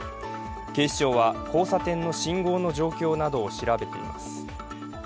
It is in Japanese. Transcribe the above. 警視庁は交差点の信号の状況などを調べています。